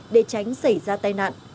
để tránh xảy ra tai nạn